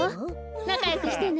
なかよくしてね。